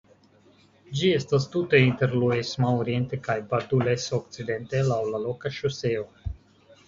Ĝi estas tute inter Luesma oriente kaj Badules okcidente laŭ la loka ŝoseo.